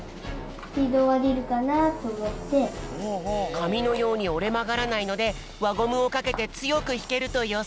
かみのようにおれまがらないのでわゴムをかけてつよくひけるとよそう。